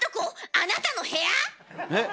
あなたの部屋⁉え？